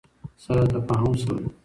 سره تفاهم شوی ؤ